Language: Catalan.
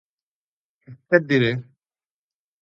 —Què et diré!